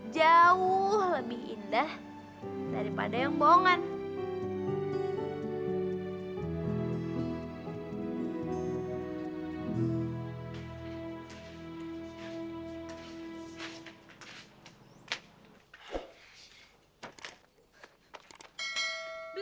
mila mila bersik dong amil